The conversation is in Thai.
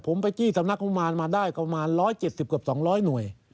ผมไปจี้สำนักประมามมาได้กับกระมาณ๑๗๐กว่า๒๐๐หน่วย